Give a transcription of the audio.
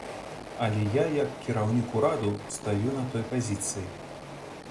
Але я як кіраўнік ураду стаю на той пазіцыі.